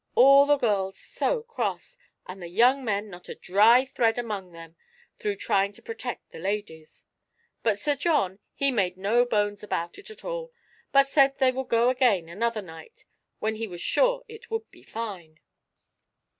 All the girls so cross, and the young men not a dry thread among them through trying to protect the ladies. But Sir John, he made no bones about it at all, but said they would go again another night, when for sure it would be fine."